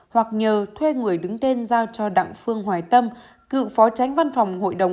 hoặc nhờ thuê người đứng tên giao cho đặng phương hoài tâm cựu phó tránh văn phòng hội đồng